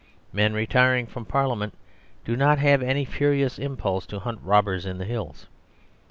Men retiring from Parliament do not have any furious impulse to hunt robbers in the hills.